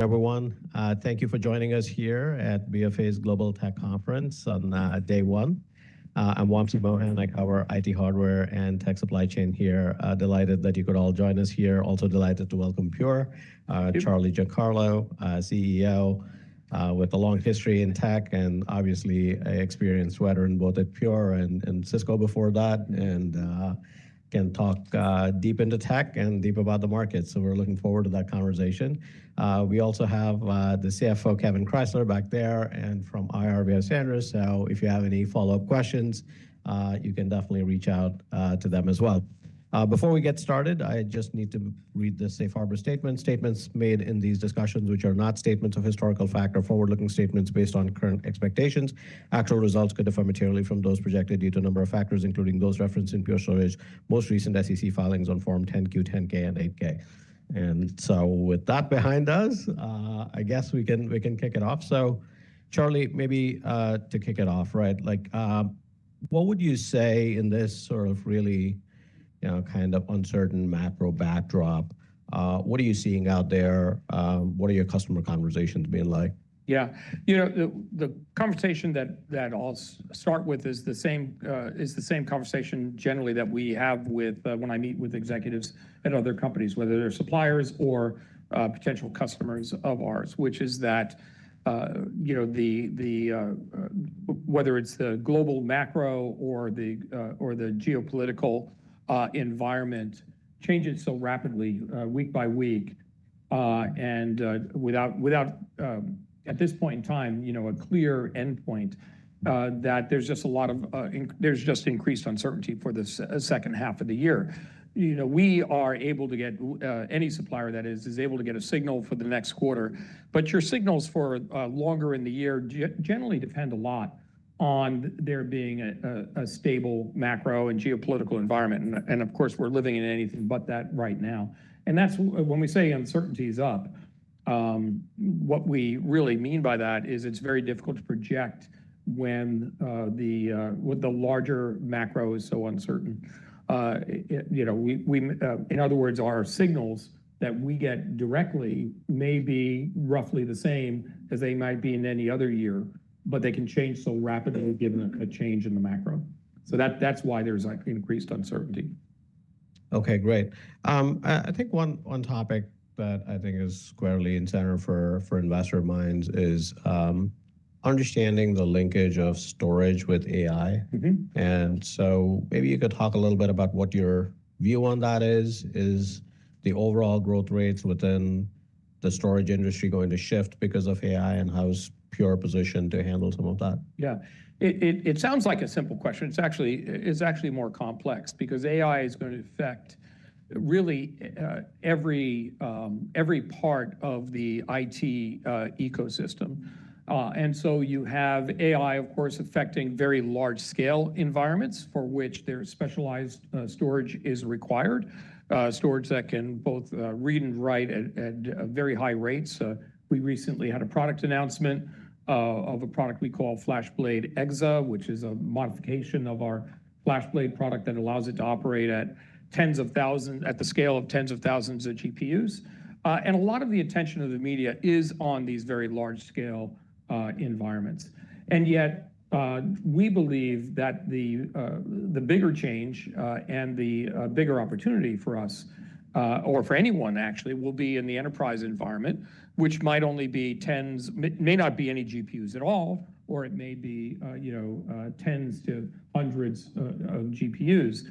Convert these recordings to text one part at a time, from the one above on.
Everyone, thank you for joining us here at BofA's Global Tech Conference on day one. I'm Wamsi Mohan, I cover IT hardware and tech supply chain here. Delighted that you could all join us here. Also delighted to welcome Pure, Charlie Giancarlo, CEO with a long history in tech and obviously experienced sweater in both at Pure and Cisco before that, and can talk deep into tech and deep about the market. We are looking forward to that conversation. We also have the CFO, Kevan Krysler, back there and from IR, B. I. Sanders. If you have any follow-up questions, you can definitely reach out to them as well. Before we get started, I just need to read the safe harbor statements. Statements made in these discussions, which are not statements of historical fact, are forward-looking statements based on current expectations. Actual results could differ materially from those projected due to a number of factors, including those referenced in Pure Storage most recent SEC filings on Form 10-Q, 10-K, and 8-K. With that behind us, I guess we can kick it off. Charlie, maybe to kick it off, right? What would you say in this sort of really kind of uncertain macro backdrop? What are you seeing out there? What are your customer conversations being like? Yeah, you know, the conversation that I'll start with is the same conversation generally that we have when I meet with executives at other companies, whether they're suppliers or potential customers of ours, which is that whether it's the global macro or the geopolitical environment changes so rapidly week by week and without, at this point in time, a clear endpoint that there's just a lot of, there's just increased uncertainty for the second half of the year. We are able to get any supplier that is able to get a signal for the next quarter, but your signals for longer in the year generally depend a lot on there being a stable macro and geopolitical environment. Of course, we're living in anything but that right now. That's when we say uncertainty is up. What we really mean by that is it's very difficult to project when the larger macro is so uncertain. In other words, our signals that we get directly may be roughly the same as they might be in any other year, but they can change so rapidly given a change in the macro. That's why there's increased uncertainty. Okay, great. I think one topic that I think is squarely in center for investor minds is understanding the linkage of storage with AI. Maybe you could talk a little bit about what your view on that is. Is the overall growth rates within the storage industry going to shift because of AI and how is Pure positioned to handle some of that? Yeah, it sounds like a simple question. It's actually more complex because AI is going to affect really every part of the IT ecosystem. You have AI, of course, affecting very large scale environments for which their specialized storage is required, storage that can both read and write at very high rates. We recently had a product announcement of a product we call FlashBlade//EXA, which is a modification of our FlashBlade product that allows it to operate at tens of thousands, at the scale of tens of thousands of GPUs. A lot of the attention of the media is on these very large scale environments. Yet we believe that the bigger change and the bigger opportunity for us, or for anyone actually, will be in the enterprise environment, which might only be tens, may not be any GPUs at all, or it may be tens to hundreds of GPUs.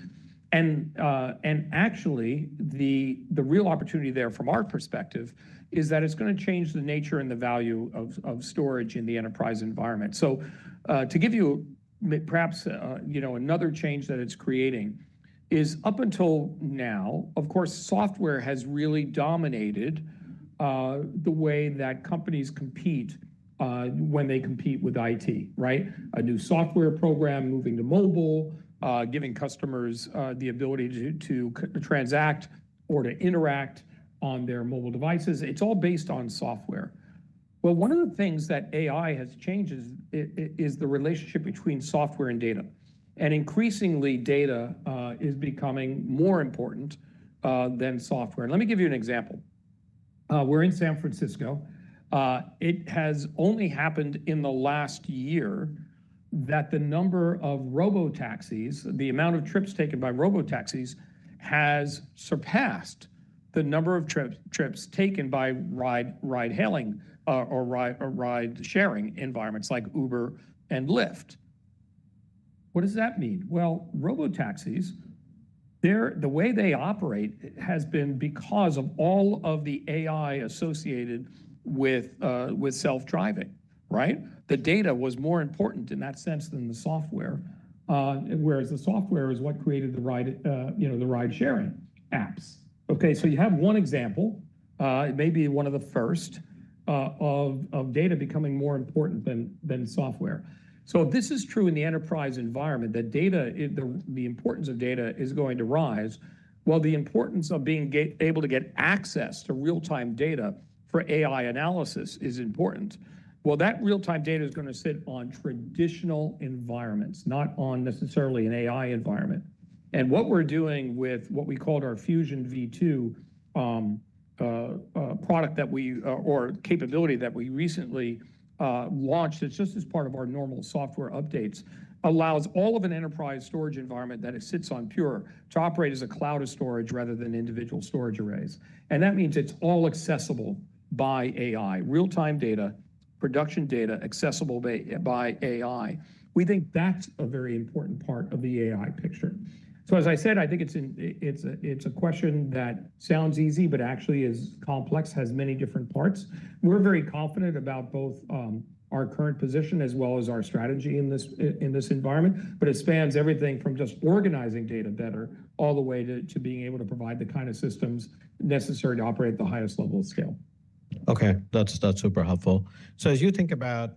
Actually, the real opportunity there from our perspective is that it's going to change the nature and the value of storage in the enterprise environment. To give you perhaps another change that it's creating is up until now, of course, software has really dominated the way that companies compete when they compete with IT, right? A new software program moving to mobile, giving customers the ability to transact or to interact on their mobile devices. It's all based on software. One of the things that AI has changed is the relationship between software and data. Increasingly, data is becoming more important than software. Let me give you an example. We are in San Francisco. It has only happened in the last year that the number of robotaxis, the amount of trips taken by robotaxis, has surpassed the number of trips taken by ride-hailing or ride-sharing environments like Uber and Lyft. What does that mean? Robotaxis, the way they operate has been because of all of the AI associated with self-driving, right? The data was more important in that sense than the software, whereas the software is what created the ride-sharing apps. You have one example, maybe one of the first, of data becoming more important than software. If this is true in the enterprise environment, that the importance of data is going to rise, the importance of being able to get access to real-time data for AI analysis is important. That real-time data is going to sit on traditional environments, not on necessarily an AI environment. What we're doing with what we called our Fusion V2 product, or capability that we recently launched, it's just as part of our normal software updates, allows all of an enterprise storage environment that it sits on Pure to operate as a cloud of storage rather than individual storage arrays. That means it's all accessible by AI. Real-time data, production data, accessible by AI. We think that's a very important part of the AI picture. As I said, I think it's a question that sounds easy, but actually is complex, has many different parts. We're very confident about both our current position as well as our strategy in this environment, but it spans everything from just organizing data better all the way to being able to provide the kind of systems necessary to operate at the highest level of scale. Okay, that's super helpful. As you think about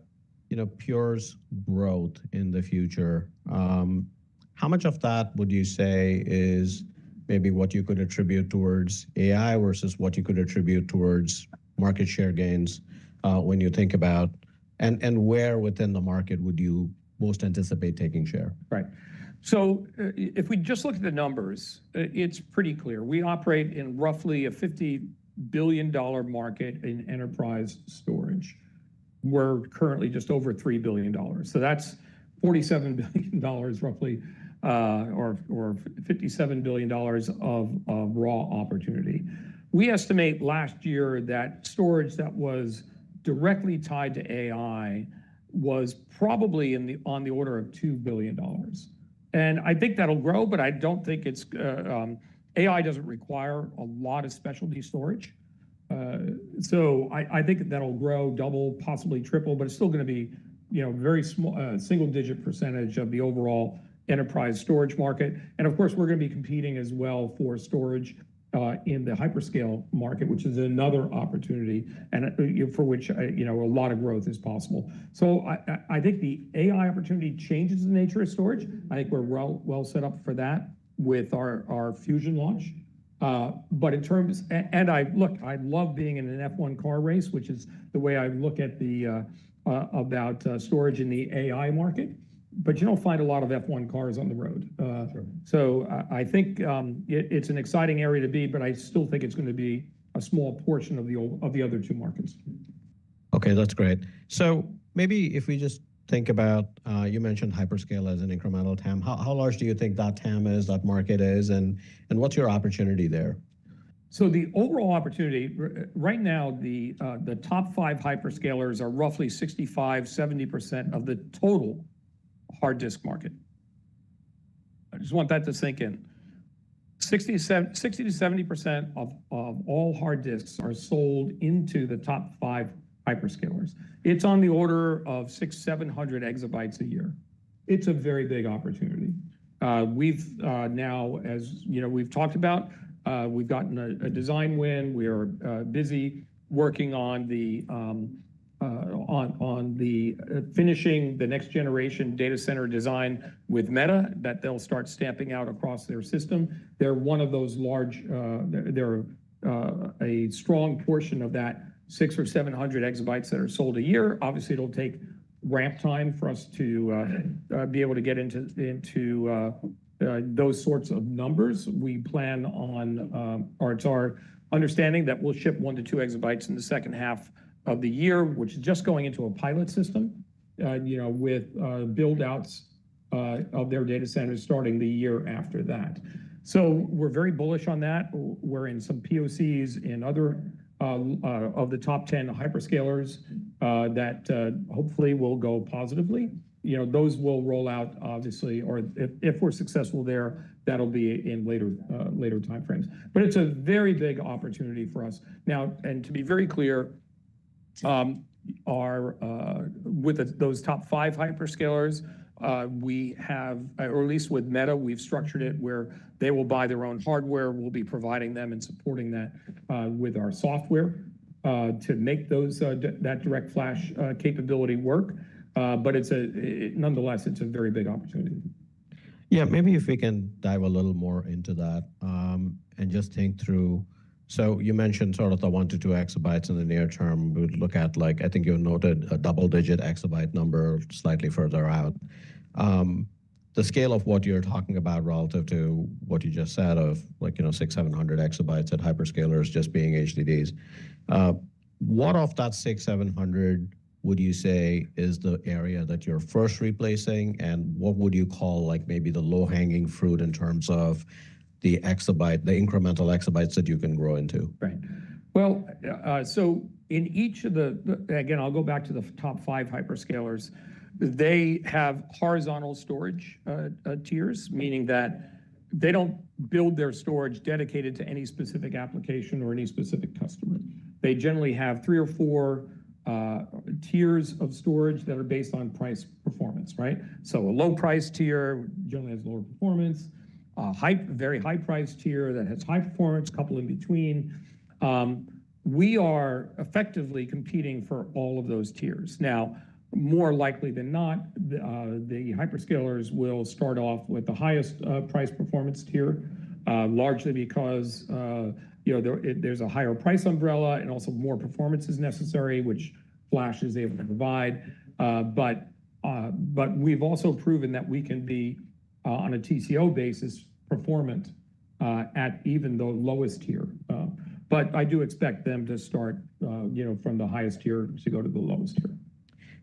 Pure's growth in the future, how much of that would you say is maybe what you could attribute towards AI versus what you could attribute towards market share gains when you think about, and where within the market would you most anticipate taking share? Right. If we just look at the numbers, it's pretty clear. We operate in roughly a $50 billion market in enterprise storage. We're currently just over $3 billion. That's $47 billion roughly, or $57 billion of raw opportunity. We estimate last year that storage that was directly tied to AI was probably on the order of $2 billion. I think that'll grow, but I don't think it's, AI doesn't require a lot of specialty storage. I think that'll grow double, possibly triple, but it's still going to be a very single digit percentage of the overall enterprise storage market. Of course, we're going to be competing as well for storage in the hyperscale market, which is another opportunity for which a lot of growth is possible. I think the AI opportunity changes the nature of storage. I think we're well set up for that with our Fusion launch. In terms of, and look, I love being in an F1 car race, which is the way I look at the, about storage in the AI market, but you don't find a lot of F1 cars on the road. I think it's an exciting area to be, but I still think it's going to be a small portion of the other two markets. Okay, that's great. Maybe if we just think about, you mentioned hyperscale as an incremental TAM. How large do you think that TAM is, that market is, and what's your opportunity there? The overall opportunity right now, the top five hyperscalers are roughly 65%-70% of the total hard disk market. I just want that to sink in. 60%-70% of all hard disks are sold into the top five hyperscalers. It is on the order of 600 EB-700 EB a year. It is a very big opportunity. We have now, as we have talked about, gotten a design win. We are busy working on finishing the next generation data center design with Meta that they will start stamping out across their system. They are one of those large, they are a strong portion of that 600 EB or 700 EB that are sold a year. Obviously, it will take ramp time for us to be able to get into those sorts of numbers. We plan on, or it's our understanding that we'll ship one to two exabytes in the second half of the year, which is just going into a pilot system with buildouts of their data centers starting the year after that. We are very bullish on that. We are in some POCs in other of the top 10 hyperscalers that hopefully will go positively. Those will roll out obviously, or if we're successful there, that'll be in later time frames. It is a very big opportunity for us. Now, and to be very clear, with those top five hyperscalers, we have, or at least with Meta, we've structured it where they will buy their own hardware. We'll be providing them and supporting that with our software to make that direct flash capability work. Nonetheless, it is a very big opportunity. Yeah, maybe if we can dive a little more into that and just think through. You mentioned sort of the one to two exabytes in the near term. We would look at, like, I think you noted a double digit exabyte number slightly further out. The scale of what you're talking about relative to what you just said of like 600 EB-700 EB at hyperscalers just being HDDs. What of that 600 EB-700 EB would you say is the area that you're first replacing and what would you call like maybe the low hanging fruit in terms of the exabyte, the incremental EB that you can grow into? Right. In each of the, again, I'll go back to the top five hyperscalers. They have horizontal storage tiers, meaning that they don't build their storage dedicated to any specific application or any specific customer. They generally have three or four tiers of storage that are based on price performance, right? A low price tier generally has lower performance. A very high price tier that has high performance, a couple in between. We are effectively competing for all of those tiers. More likely than not, the hyperscalers will start off with the highest price performance tier, largely because there's a higher price umbrella and also more performance is necessary, which Flash is able to provide. We've also proven that we can be on a TCO basis performant at even the lowest tier. I do expect them to start from the highest tier to go to the lowest tier.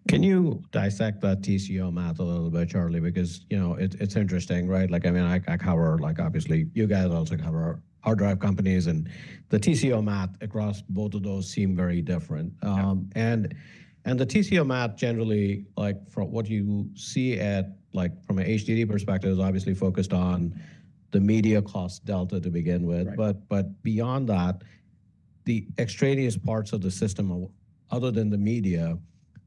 Can you dissect that TCO math a little bit, Charlie? Because it's interesting, right? Like, I mean, I cover like, obviously, you guys also cover hard drive companies and the TCO math across both of those seem very different. The TCO math generally, like from what you see at like from an HDD perspective, is obviously focused on the media cost delta to begin with. Beyond that, the extraneous parts of the system other than the media,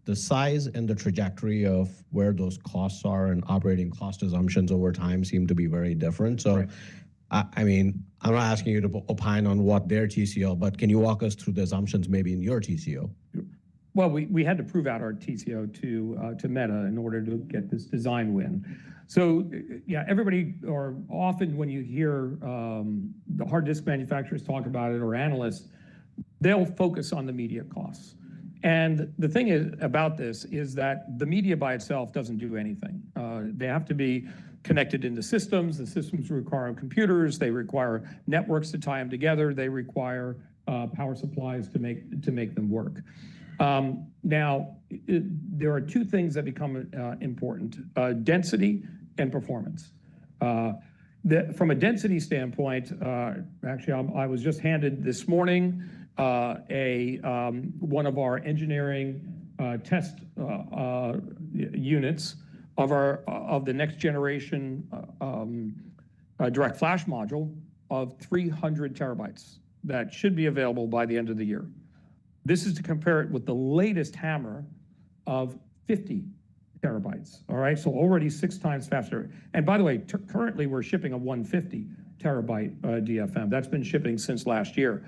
the size and the trajectory of where those costs are and operating cost assumptions over time seem to be very different. I mean, I'm not asking you to opine on what their TCO, but can you walk us through the assumptions maybe in your TCO? We had to prove out our TCO to Meta in order to get this design win. Yeah, everybody, or often when you hear the hard disk manufacturers talk about it or analysts, they'll focus on the media costs. The thing about this is that the media by itself does not do anything. They have to be connected into systems. The systems require computers. They require networks to tie them together. They require power supplies to make them work. Now, there are two things that become important: density and performance. From a density standpoint, actually, I was just handed this morning one of our engineering test units of the next generation Direct Flash Module of 300 TB that should be available by the end of the year. This is to compare it with the latest HAMR of 50 TB, all right? Already 6x faster. By the way, currently we're shipping a 150 TB DFM. That's been shipping since last year.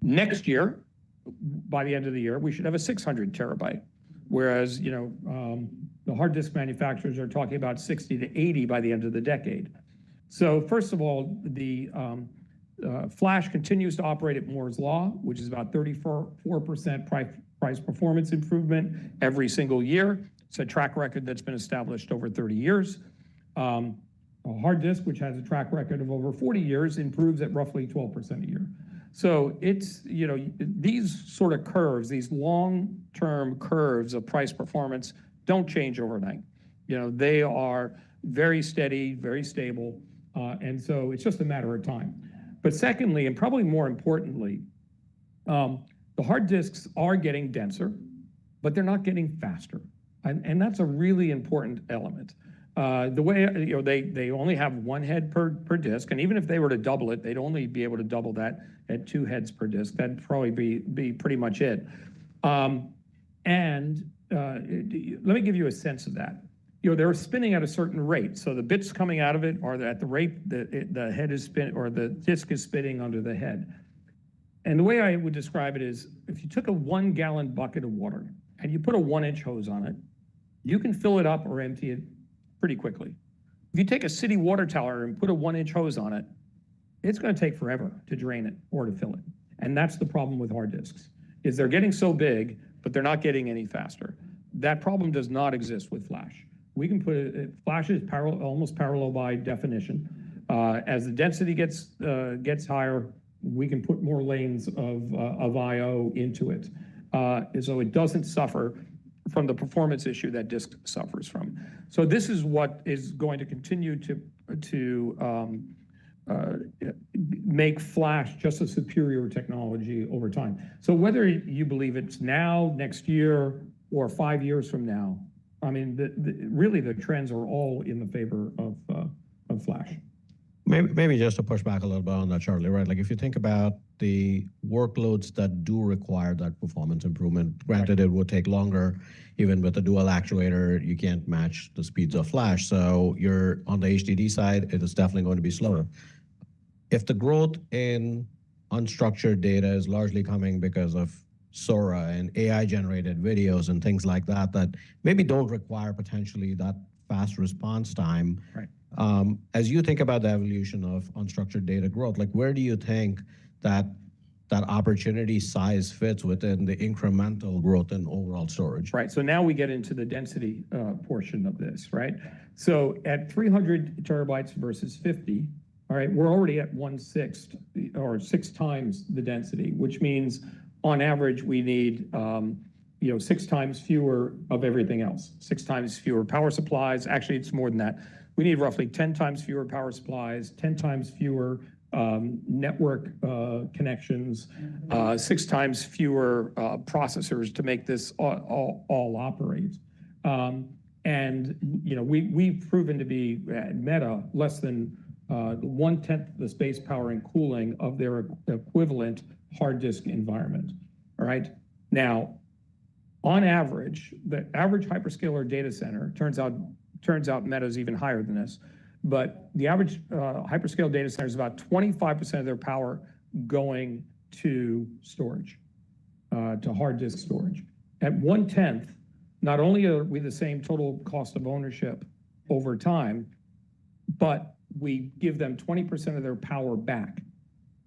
Next year, by the end of the year, we should have a 600 TB, whereas the hard disk manufacturers are talking about 60 TB-80 TB by the end of the decade. Flash continues to operate at Moore's Law, which is about 34% price performance improvement every single year. It's a track record that's been established over 30 years. A hard disk, which has a track record of over 40 years, improves at roughly 12% a year. These sort of curves, these long-term curves of price performance, do not change overnight. They are very steady, very stable. It is just a matter of time. Secondly, and probably more importantly, the hard disks are getting denser, but they're not getting faster. That's a really important element. The way they only have one head per disk, and even if they were to double it, they'd only be able to double that at two heads per disk. That'd probably be pretty much it. Let me give you a sense of that. They're spinning at a certain rate. The bits coming out of it are at the rate that the head is spinning or the disk is spinning under the head. The way I would describe it is if you took a 1 gal bucket of water and you put a 1 in hose on it, you can fill it up or empty it pretty quickly. If you take a city water tower and put a 1 in hose on it, it's going to take forever to drain it or to fill it. That's the problem with hard disks, is they're getting so big, but they're not getting any faster. That problem does not exist with Flash. We can put it, Flash is almost parallel by definition. As the density gets higher, we can put more lanes of IO into it. It doesn't suffer from the performance issue that disk suffers from. This is what is going to continue to make Flash just a superior technology over time. Whether you believe it's now, next year, or five years from now, I mean, really the trends are all in the favor of Flash. Maybe just to push back a little bit on that, Charlie, right? Like if you think about the workloads that do require that performance improvement, granted it would take longer, even with a dual actuator, you can't match the speeds of Flash. You're on the HDD side, it is definitely going to be slower. If the growth in unstructured data is largely coming because of Sora and AI-generated videos and things like that that maybe don't require potentially that fast response time, as you think about the evolution of unstructured data growth, where do you think that opportunity size fits within the incremental growth in overall storage? Right. So now we get into the density portion of this, right? At 300 TB versus 50 TB, we're already at 1/6 or 6x the density, which means on average we need 6x fewer of everything else, 6x fewer power supplies. Actually, it's more than that. We need roughly 10x fewer power supplies, 10x fewer network connections, 6x fewer processors to make this all operate. We've proven to be at Meta less than 1/10 the space, power, and cooling of their equivalent hard disk environment, right? On average, the average hyperscaler data center turns out Meta's even higher than this. The average hyperscale data center is about 25% of their power going to storage, to hard disk storage. At 1/10, not only are we the same total cost of ownership over time, but we give them 20% of their power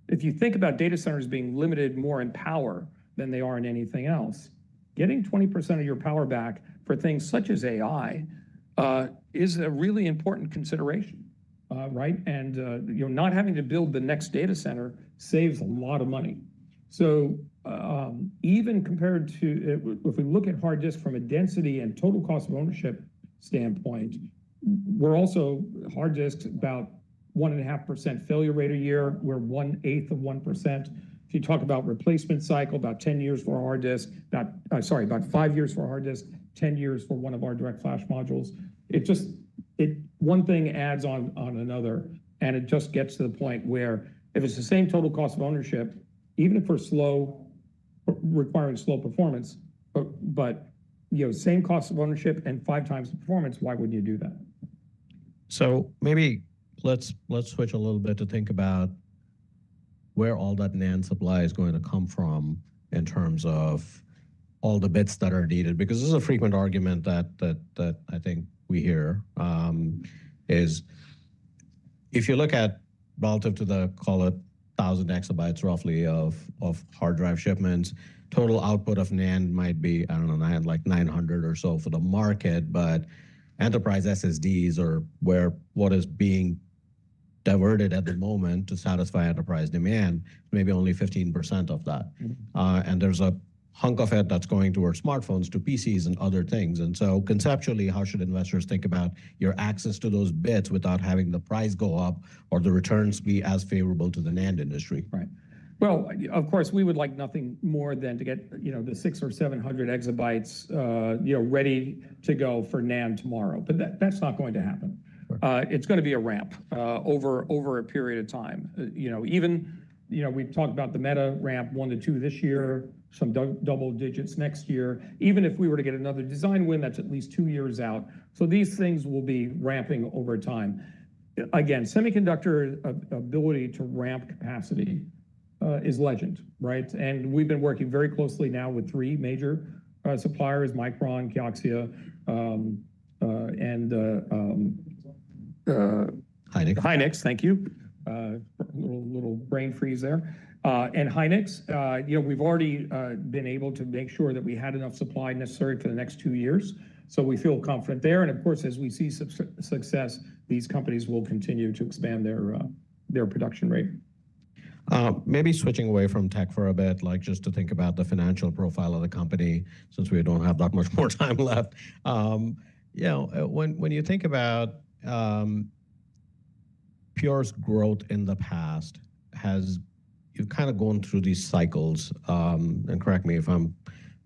back. If you think about data centers being limited more in power than they are in anything else, getting 20% of your power back for things such as AI is a really important consideration, right? Not having to build the next data center saves a lot of money. Even compared to, if we look at hard disk from a density and total cost of ownership standpoint, we're also hard disks about 1.5% failure rate a year. We're 1/8 of 1%. If you talk about replacement cycle, about 10 years for a hard disk, sorry, about 5 years for a hard disk, 10 years for one of our Direct Flash Modules, it just, one thing adds on another and it just gets to the point where if it's the same total cost of ownership, even if we're requiring slow performance, but same cost of ownership and five times the performance, why wouldn't you do that? Maybe let's switch a little bit to think about where all that NAND supply is going to come from in terms of all the bits that are needed. Because this is a frequent argument that I think we hear: if you look at, relative to the, call it 1,000 EB roughly of hard drive shipments, total output of NAND might be, I don't know, I had like 900 or so for the market, but enterprise SSDs are what is being diverted at the moment to satisfy enterprise demand, maybe only 15% of that. There's a hunk of it that's going towards smartphones, to PCs and other things. Conceptually, how should investors think about your access to those bits without having the price go up or the returns be as favorable to the NAND industry? Right. Of course, we would like nothing more than to get the 600 EB or 700 EB ready to go for NAND tomorrow. That is not going to happen. It is going to be a ramp over a period of time. Even we have talked about the Meta ramp, one to two this year, some double digits next year. Even if we were to get another design win, that is at least two years out. These things will be ramping over time. Again, semiconductor ability to ramp capacity is legend, right? We have been working very closely now with three major suppliers, Micron, KIOXIA, and. Hynix. Hynix, thank you. Little brain freeze there. And Hynix, we've already been able to make sure that we had enough supply necessary for the next two years. So we feel confident there. And of course, as we see success, these companies will continue to expand their production rate. Maybe switching away from tech for a bit, like just to think about the financial profile of the company since we do not have that much more time left. When you think about Pure's growth in the past, you have kind of gone through these cycles. And correct me if I am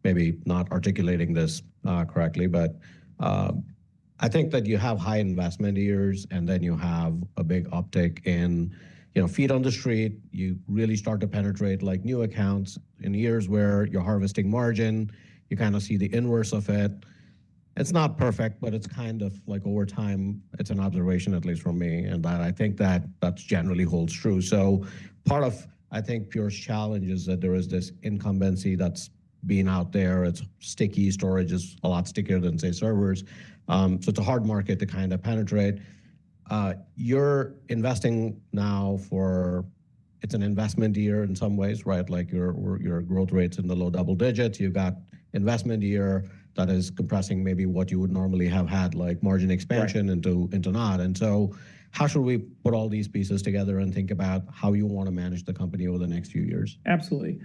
maybe not articulating this correctly, but I think that you have high investment years and then you have a big uptick in feet on the street. You really start to penetrate like new accounts in years where you are harvesting margin. You kind of see the inverse of it. It is not perfect, but it is kind of like over time, it is an observation at least for me, and that I think that that generally holds true. Part of, I think, Pure's challenge is that there is this incumbency that has been out there. It is sticky. Storage is a lot stickier than, say, servers. It's a hard market to kind of penetrate. You're investing now for, it's an investment year in some ways, right? Like your growth rate's in the low double digits. You've got investment year that is compressing maybe what you would normally have had, like margin expansion into not. How should we put all these pieces together and think about how you want to manage the company over the next few years? Absolutely.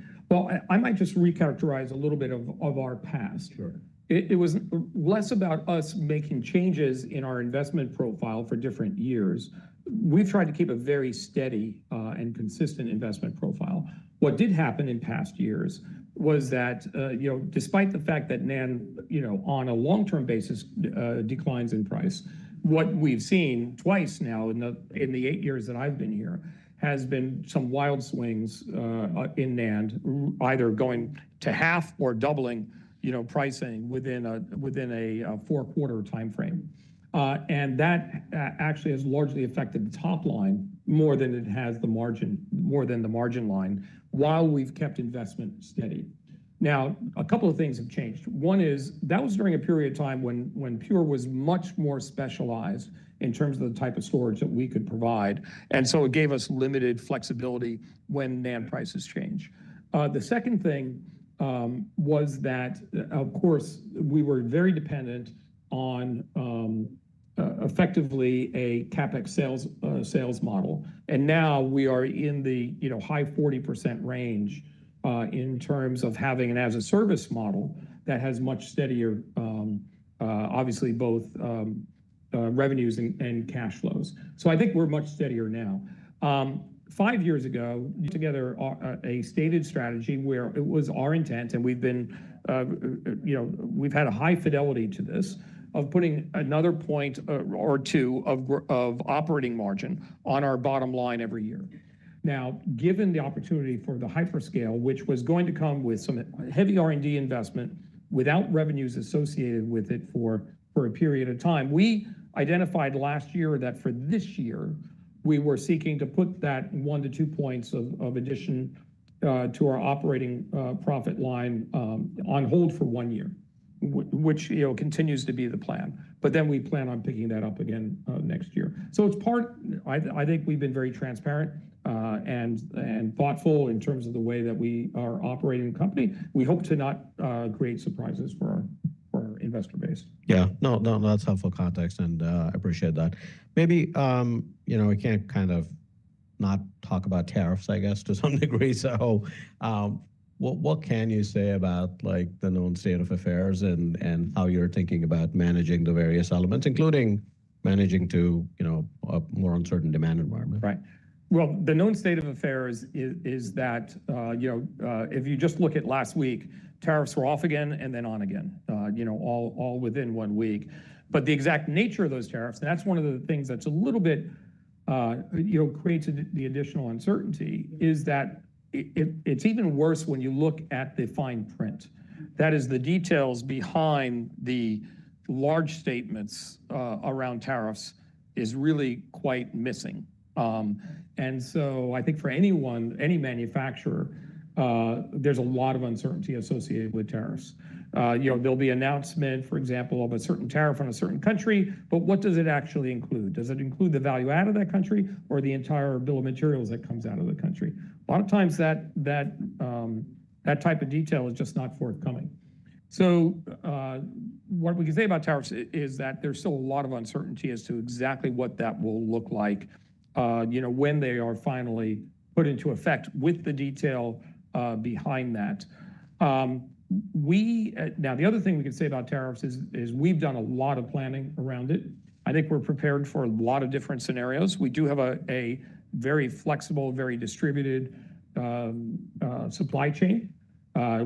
I might just re-characterize a little bit of our past. It was less about us making changes in our investment profile for different years. We've tried to keep a very steady and consistent investment profile. What did happen in past years was that despite the fact that NAND on a long-term basis declines in price, what we've seen twice now in the eight years that I've been here has been some wild swings in NAND, either going to half or doubling pricing within a four-quarter timeframe. That actually has largely affected the top line more than it has the margin, more than the margin line, while we've kept investment steady. Now, a couple of things have changed. One is that was during a period of time when Pure was much more specialized in terms of the type of storage that we could provide. It gave us limited flexibility when NAND prices change. The second thing was that, of course, we were very dependent on effectively a CapEx sales model. Now we are in the high 40% range in terms of having an as-a-service model that has much steadier, obviously, both revenues and cash flows. I think we're much steadier now. Five years ago, together a stated strategy where it was our intent and we've had a high fidelity to this of putting another point or two of operating margin on our bottom line every year. Now, given the opportunity for the hyperscale, which was going to come with some heavy R&D investment without revenues associated with it for a period of time, we identified last year that for this year, we were seeking to put that one to two points of addition to our operating profit line on hold for one year, which continues to be the plan. We plan on picking that up again next year. It is part, I think we have been very transparent and thoughtful in terms of the way that we are operating the company. We hope to not create surprises for our investor base. Yeah. No, no, that's helpful context. I appreciate that. Maybe we can't kind of not talk about tariffs, I guess, to some degree. What can you say about the known state of affairs and how you're thinking about managing the various elements, including managing to a more uncertain demand environment? Right. The known state of affairs is that if you just look at last week, tariffs were off again and then on again, all within one week. The exact nature of those tariffs, and that's one of the things that's a little bit created the additional uncertainty, is that it's even worse when you look at the fine print. That is, the details behind the large statements around tariffs is really quite missing. I think for anyone, any manufacturer, there's a lot of uncertainty associated with tariffs. There'll be announcement, for example, of a certain tariff on a certain country, but what does it actually include? Does it include the value add of that country or the entire bill of materials that comes out of the country? A lot of times that type of detail is just not forthcoming. What we can say about tariffs is that there's still a lot of uncertainty as to exactly what that will look like when they are finally put into effect with the detail behind that. Now, the other thing we can say about tariffs is we've done a lot of planning around it. I think we're prepared for a lot of different scenarios. We do have a very flexible, very distributed supply chain.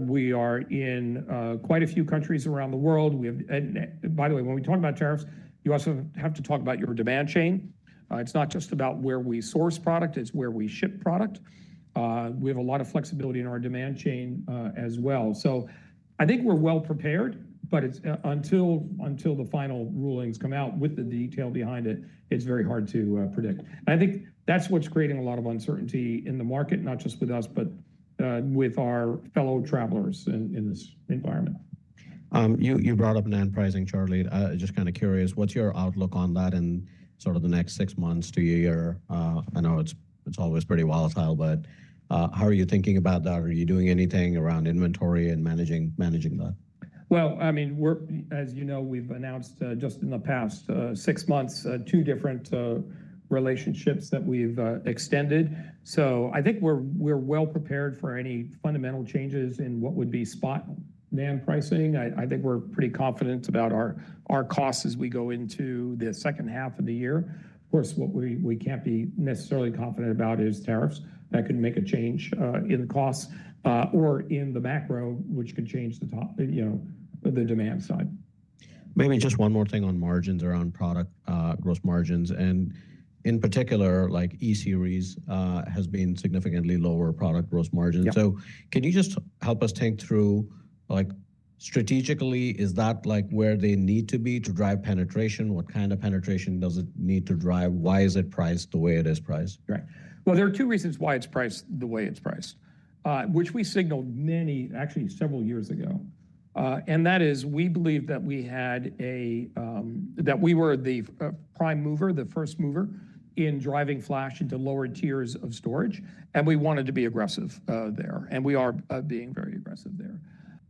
We are in quite a few countries around the world. By the way, when we talk about tariffs, you also have to talk about your demand chain. It's not just about where we source product, it's where we ship product. We have a lot of flexibility in our demand chain as well. I think we're well prepared, but until the final rulings come out with the detail behind it, it's very hard to predict. I think that's what's creating a lot of uncertainty in the market, not just with us, but with our fellow travelers in this environment. You brought up NAND pricing, Charlie. Just kind of curious, what's your outlook on that in sort of the next six months to a year? I know it's always pretty volatile, but how are you thinking about that? Are you doing anything around inventory and managing that? I mean, as you know, we've announced just in the past six months two different relationships that we've extended. I think we're well prepared for any fundamental changes in what would be spot NAND pricing. I think we're pretty confident about our costs as we go into the second half of the year. Of course, what we can't be necessarily confident about is tariffs. That could make a change in the costs or in the macro, which could change the demand side. Maybe just one more thing on margins around product gross margins. In particular, like E Series has been significantly lower product gross margins. Can you just help us think through strategically, is that where they need to be to drive penetration? What kind of penetration does it need to drive? Why is it priced the way it is priced? Right. There are two reasons why it's priced the way it's priced, which we signaled many, actually several years ago. That is, we believe that we had a, that we were the prime mover, the first mover in driving flash into lower tiers of storage. We wanted to be aggressive there. We are being very aggressive there.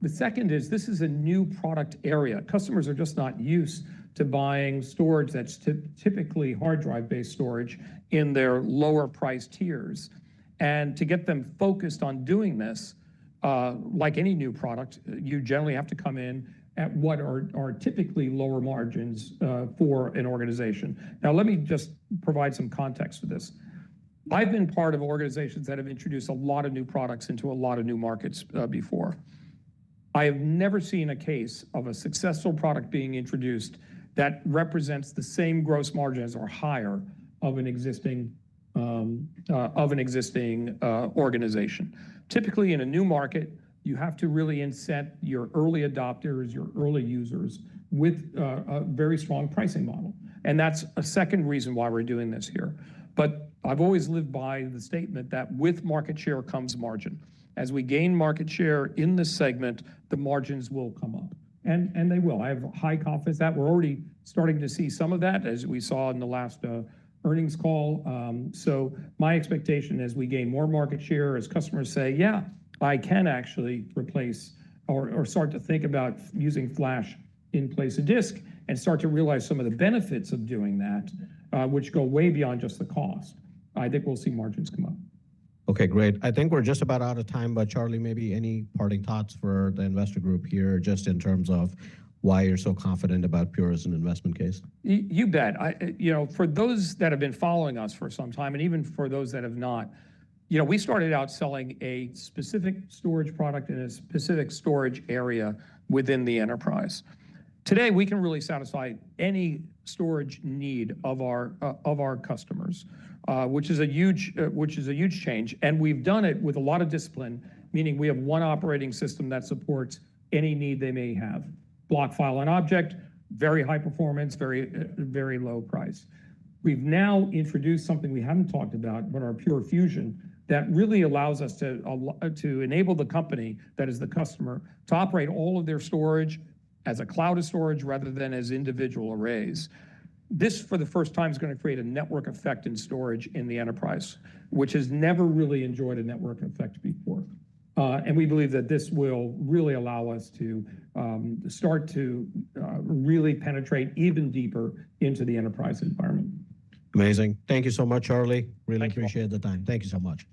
The second is this is a new product area. Customers are just not used to buying storage that's typically hard drive-based storage in their lower price tiers. To get them focused on doing this, like any new product, you generally have to come in at what are typically lower margins for an organization. Now, let me just provide some context for this. I've been part of organizations that have introduced a lot of new products into a lot of new markets before. I have never seen a case of a successful product being introduced that represents the same gross margins or higher of an existing organization. Typically, in a new market, you have to really incent your early adopters, your early users with a very strong pricing model. That is a second reason why we're doing this here. I have always lived by the statement that with market share comes margin. As we gain market share in this segment, the margins will come up. They will. I have high confidence that we're already starting to see some of that, as we saw in the last earnings call. My expectation is we gain more market share as customers say, "Yeah, I can actually replace or start to think about using Flash in place of disk and start to realize some of the benefits of doing that," which go way beyond just the cost. I think we'll see margins come up. Okay, great. I think we're just about out of time, but Charlie, maybe any parting thoughts for the investor group here just in terms of why you're so confident about Pure as an investment case? You bet. For those that have been following us for some time and even for those that have not, we started out selling a specific storage product in a specific storage area within the enterprise. Today, we can really satisfy any storage need of our customers, which is a huge change. We have done it with a lot of discipline, meaning we have one operating system that supports any need they may have: block, file, and object, very high performance, very low price. We have now introduced something we have not talked about, but our Pure Fusion that really allows us to enable the company that is the customer to operate all of their storage as a cloud of storage rather than as individual arrays. This, for the first time, is going to create a network effect in storage in the enterprise, which has never really enjoyed a network effect before. We believe that this will really allow us to start to really penetrate even deeper into the enterprise environment. Amazing. Thank you so much, Charlie. Really appreciate the time. Thank you so much.